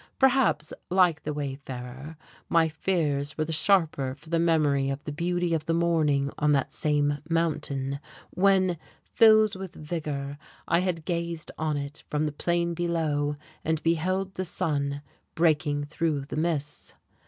Perhaps, like the wayfarer, my fears were the sharper for the memory of the beauty of the morning on that same mountain, when, filled with vigour, I had gazed on it from the plain below and beheld the sun breaking through the mists....